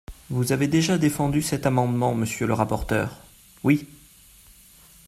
Vous avez déjà défendu cet amendement, monsieur le rapporteur… Oui.